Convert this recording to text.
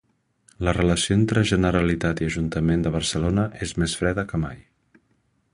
La relació entre Generalitat i Ajuntament de Barcelona és més freda que mai.